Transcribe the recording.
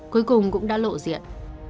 cuối cùng cũng đã lộ diện